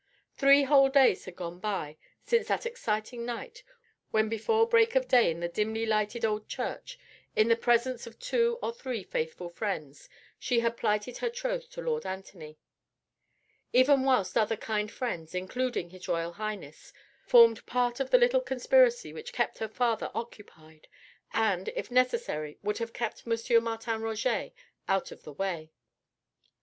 Three whole days had gone by since that exciting night, when before break of day in the dimly lighted old church, in the presence of two or three faithful friends, she had plighted her troth to Lord Anthony: even whilst other kind friends including His Royal Highness formed part of the little conspiracy which kept her father occupied and, if necessary, would have kept M. Martin Roget out of the way.